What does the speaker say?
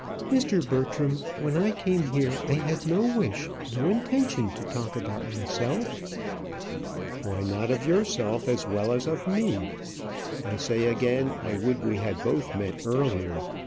"Mr. Bertram, when I came here, I had no wish, no intention to talk about myself." "Why not of yourself as well as of me? I say again, I would we had both met earlier.